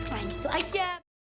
nah gitu aja